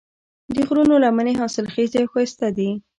د غرونو لمنې حاصلخیزې او ښایسته دي.